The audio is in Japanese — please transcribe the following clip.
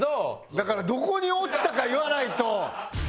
だからどこに落ちたか言わないと。